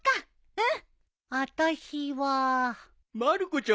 うん。